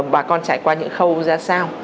bà con trải qua những khâu ra sao